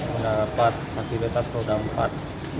menarapat hasilnya setelah empat